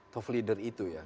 top leader itu ya